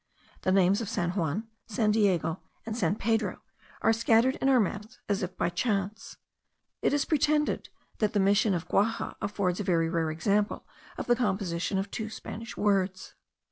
The names of San Juan, San Diego, and San Pedro, are scattered in our maps as if by chance. It is pretended that the Mission of Guaja affords a very rare example of the composition of two Spanish words.